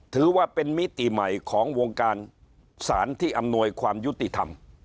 ถือว่าเป็นมิติใหม่ของวงการสารที่อำนวยความยุติธรรม